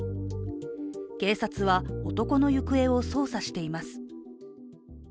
警察は、男の行方を捜査しています。